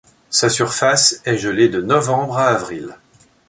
Sa surface est gelée de novembre à avril.